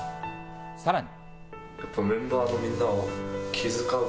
さらに。